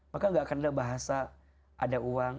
maka gak akan ada bahasa ada uang